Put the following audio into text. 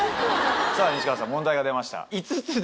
さぁ西川さん問題が出ました５つです。